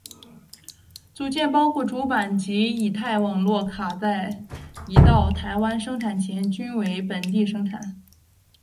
组件包括主板及乙太网络卡在移到台湾生产前均为本地生产。